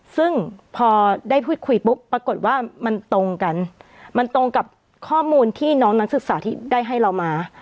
ซึ่งพอได้พูดคุยปุ๊บปรากฏว่ามันตรงกันมันตรงกับข้อมูลที่น้องนักศึกษาที่ได้ให้เรามา